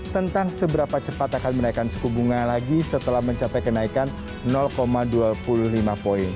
tentang seberapa cepat akan menaikkan suku bunga lagi setelah mencapai kenaikan dua puluh lima poin